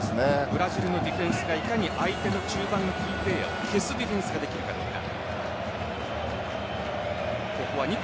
ブラジルのディフェンスがいかに相手の中盤のキープレーヤーを消すディフェンスができるかどうか。